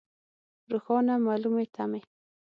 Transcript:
روښانه مالومې تمې.